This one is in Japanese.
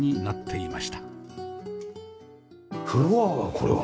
フロアはこれは？